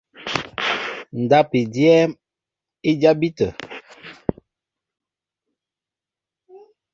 Ndáp i dyɛ́ɛ́m i jabí tə̂.